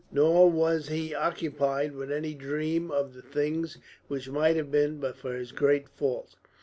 Nor was he occupied with any dream of the things which might have been but for his great fault.